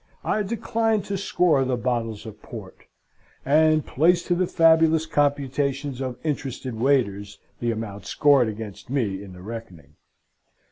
I decline to score the bottles of port: and place to the fabulous computations of interested waiters, the amount scored against me in the reckoning.